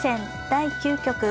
第９局。